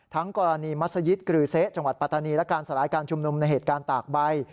กรณีมัศยิตกรือเซะจังหวัดปัตตานีและการสลายการชุมนุมในเหตุการณ์ตากใบ